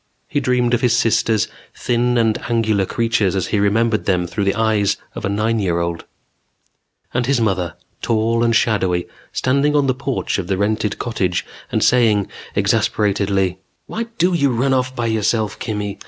He dreamed of his sisters, thin and angular creatures as he remembered them through the eyes of a nine year old And his mother, tall and shadowy, standing on the porch of the rented cottage and saying exasperatedly: "_Why do you run off by yourself, Kimmy?